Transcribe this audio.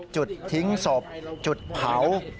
จุดทิ้งศพจุดเผา